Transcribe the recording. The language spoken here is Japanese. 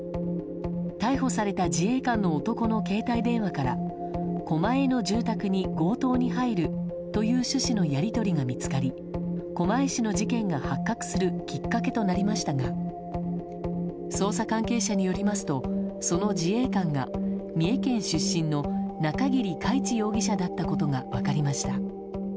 逮捕された自衛官の男の携帯電話から狛江の住宅に強盗に入るという趣旨のやり取りが見つかり狛江市の事件が発覚するきっかけとなりましたが捜査関係者によりますとその自衛官が三重県出身の中桐海知容疑者だったことが分かりました。